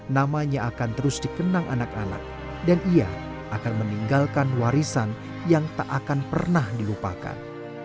namanya akan terus dikenang anak anak dan ia akan meninggalkan warisan yang tak akan pernah dilupakan